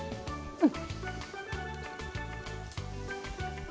うん！